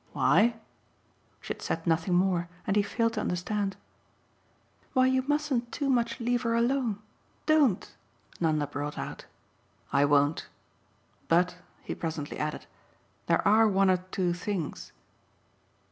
"Why?" She had said nothing more, and he failed to understand. "Why you mustn't too much leave her alone. DON'T!" Nanda brought out. "I won't. But," he presently added, "there are one or two things."